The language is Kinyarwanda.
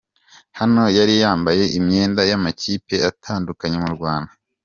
Hano yari yambaye imyenda y'amakipe atandukanye mu Rwanda.